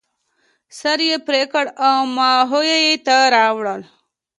سر یې پرې کړ او ماهویه ته یې راوړ.